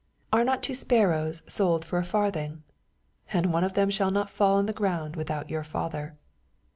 29 Are not two sparrows sold for a i^irthing f and one of them shall not fall on the ground without your Father.